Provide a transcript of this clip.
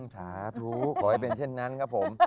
สาธุขอให้เป็นเช่นนั้นครับผม